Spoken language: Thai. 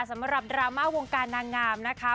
สำหรับดราม่าวงการนางงามนะคะ